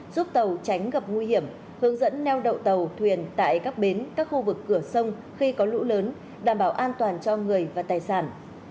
giúp tàu tránh gặp nguy hiểm hướng dẫn neo đậu tàu thuyền tại các bến các khu vực cửa sông khi có lũ lớn đảm bảo an toàn cho người và tài sản